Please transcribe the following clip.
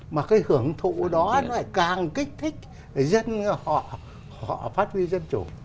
mà cái hưởng thụ đó nó lại càng kích thích để dân họ phát huy dân chủ